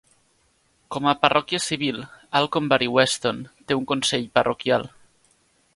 Com a parròquia civil, Alconbury Weston té un consell parroquial.